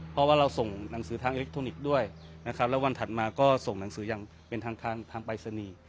เพราะว่าเราส่งหนังสือทางอิเล็กทรอนิกส์ด้วยนะครับแล้ววันถัดมาก็ส่งหนังสืออย่างเป็นทางทางปรายศนีย์